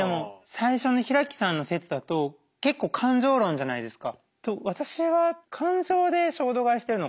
最初の平木さんの説だと結構感情論じゃないですか。